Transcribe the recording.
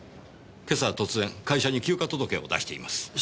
今朝突然会社に休暇届を出しています。